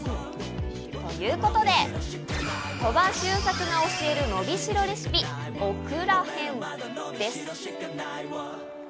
ということで、鳥羽周作が教えるのびしろレシピ・オクラ編です。